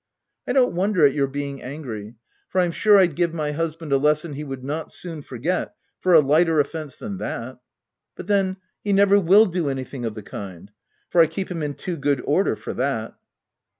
I don't wonder at your being angry, for I'm sure I'd give my husband a lesson he would not soon forget for a lighter offence than that. But then he never will do anything of the kind ; for I keep him in too good order for that."